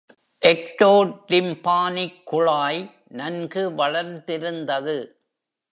Ectotympanic குழாய் நன்கு வளர்ந்திருந்தது.